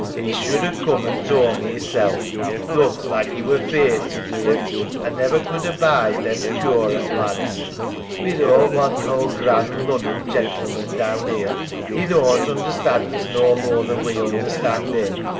'E should a coom an' tould me 'isself. Looks hke 'e were feart to do it. A never could abide them curate lads. We doan't want no grand Lunnon gentlemen down 'ere. 'E doan't understand us no more than we understand 'im.